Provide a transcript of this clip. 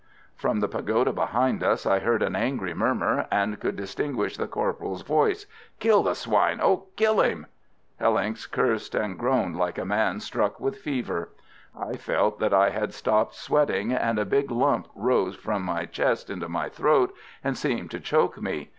From the pagoda behind us I heard an angry murmur, and could distinguish the corporal's voice: "Kill the swine! Oh, kill him!" Hellincks cursed and groaned like a man struck with fever. I felt that I had stopped sweating, and a big lump rose from my chest into my throat, and seemed to choke me.